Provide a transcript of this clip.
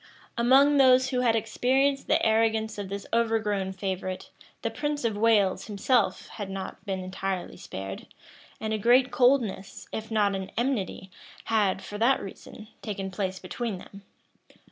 {1623.} Among those who had experienced the arrogance of this overgrown favorite, the prince of Wales himself had not been entirely spared; and a great coldness, if not an enmity, had, for that reason, taken place between them.